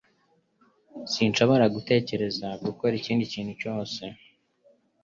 Sinshobora gutekereza gukora ikindi kintu cyose